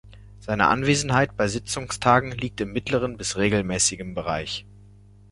Seine Anwesenheit bei Sitzungstagen liegt im mittleren bis regelmäßigen Bereich.